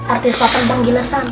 artis patah bang gilesan